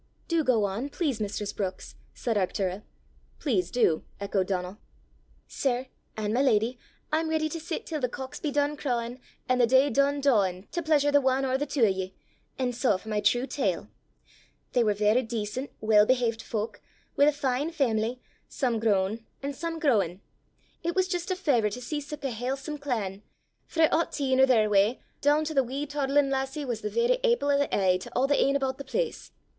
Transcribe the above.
"Do go on, please, mistress Brookes," said Arctura. "Please do," echoed Donal. "Sir, an' my leddy, I'm ready to sit till the cocks be dune crawin', an' the day dune dawin', to pleesur the ane or the twa o' ye! an' sae for my true tale! They war varra dacent, weel behavet fowk, wi' a fine faimily, some grown an' some growin'. It was jist a fauvour to see sic a halesome clan frae auchteen or thereawa' doon tu the wee toddlin' lassie was the varra aipple o' the e'e to a' the e'en aboot the place!